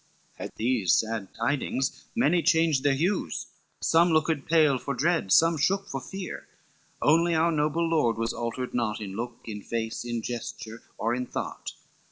At these sad tidings many changed their hues, Some looked pale for dread, some shook for fear, Only our noble lord was altered naught, In look, in face, in gesture, or in thought.